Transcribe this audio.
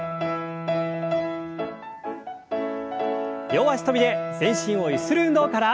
両脚跳びで全身をゆする運動から。